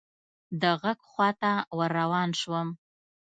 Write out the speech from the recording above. د ږغ خواته ور روان شوم .